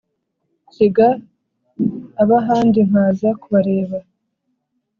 nsiga abahandi nkaza kubareba